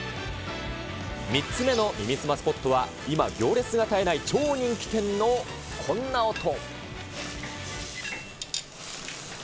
３つ目の耳すまスポットは、今、行列が絶えない超人気店のこんな音。